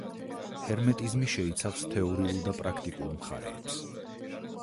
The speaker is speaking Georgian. ჰერმეტიზმი შეიცავს თეორიულ და პრაქტიკულ მხარეებს.